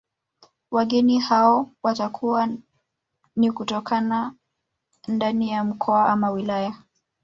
Wageni hao watakuwa ni kutokana ndani ya mkoa ama wilaya